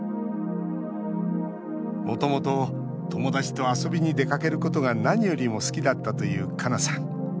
もともと友達と遊びに出かけることが何よりも好きだったというかなさん。